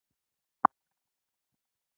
بټه ګوته يي لوړه او نورې ګوتې يې بېلې وې.